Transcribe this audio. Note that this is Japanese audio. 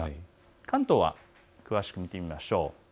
関東を詳しく見てみましょう。